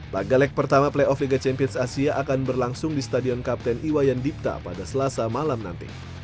laga leg pertama playoff liga champions asia akan berlangsung di stadion kapten iwayan dipta pada selasa malam nanti